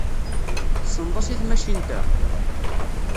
Tessneḍ-as i tmacint-a?